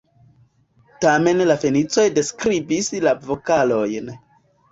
Tamen la Fenicoj ne skribis la vokalojn.